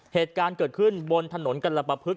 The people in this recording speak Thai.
เหตุการณ์เกิดขึ้นบนถนนกรปภึก